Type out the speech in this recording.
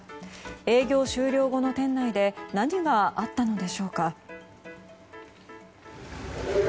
営業終了後の店内で何があったのでしょうか。